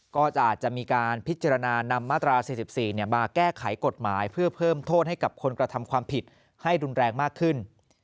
ก็อาจจะมีการพิจารณานำมาตรา๔๔มาแก้ไขกฎหมายเพื่อเพิ่มโทษให้กับคนกระทำความผิดให้รุนแรงมากขึ้น